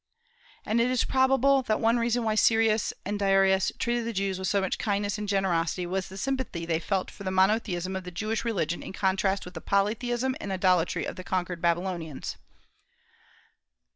And it is probable that one reason why Cyrus and Darius treated the Jews with so much kindness and generosity was the sympathy they felt for the monotheism of the Jewish religion in contrast with the polytheism and idolatry of the conquered Babylonians.